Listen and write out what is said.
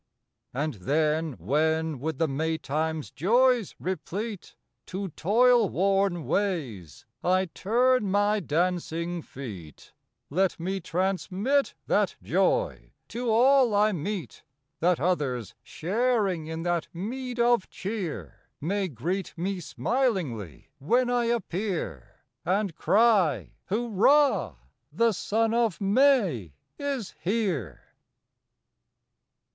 And then when with the May time s joys replete To toil worn ways I turn my dancing feet, Let me transmit that joy to all I meet, May First That others sharing in that meed of cheer May greet me smilingly when I appear, And cry, "Hurrah! The Son of May is here!"